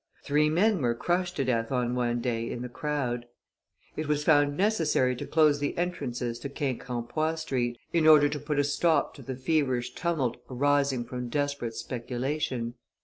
Three men were crushed to death on one day in the crowd. It was found necessary to close the entrances to Quincampoix Street, in order to put a stop to the feverish tumult arising from desperate speculation.